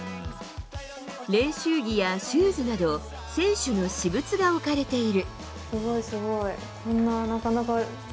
練習着やシューズなど選手の私物が置かれている。